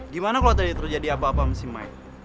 gimana kalo tadi terjadi apa apa sama si mike